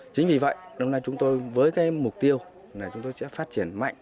chính vì vậy đồng thời chúng tôi với mục tiêu là chúng tôi sẽ phát triển mạnh